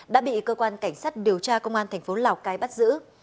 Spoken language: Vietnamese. đã bị cơ quan cảnh sát điều tra công an tp lào cai bắt giữ